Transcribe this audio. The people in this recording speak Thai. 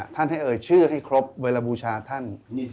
ให้เอ่ยชื่อให้ครบเวลาบูชาท่าน